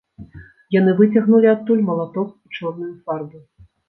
Яны выцягнулі адтуль малаток і чорную фарбу.